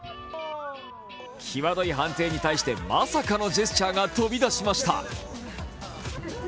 際どい判定に対してまさかのジェスチャーが飛び出しました。